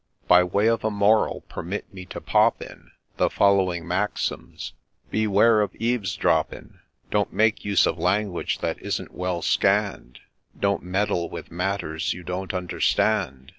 By way of a moral, permit me to pop in The following maxims :— Beware of eaves dropping !— Don't make use of language that isn't well scann'd !— Don't meddle with matters you don't understand